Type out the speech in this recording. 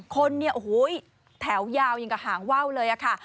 คนแถวยาวอย่างกับหางว่าวเลยค่ะ